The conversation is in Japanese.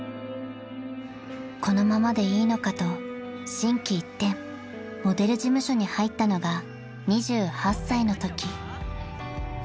［このままでいいのかと心機一転モデル事務所に入ったのが２８歳のとき］